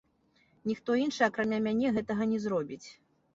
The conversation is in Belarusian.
Ніхто іншы акрамя мяне гэтага не зробіць.